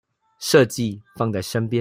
設計放在身邊